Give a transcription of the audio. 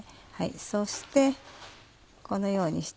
そしてこのようにして。